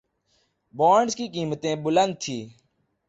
bonds کی قیمتیں بلند تھیں